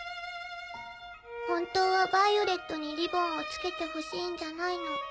本当はヴァイオレットにリボンを着けてほしいんじゃないの。